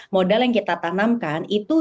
modal yang kita tanamkan itu